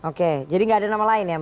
oke jadi nggak ada nama lain ya